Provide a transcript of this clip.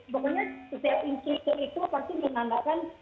pokoknya setiap instruktur itu pasti menandakan